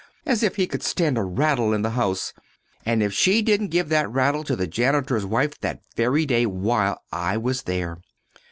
As if he could stand a rattle in the house!' And if she didn't give that rattle to the janitor's wife that very day, while I was there!"